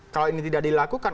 kalau ini tidak dilakukan